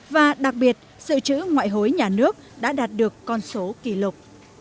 và đặc biệt sự chữ ngoại hối nhà nước đã đạt được con số kỷ lục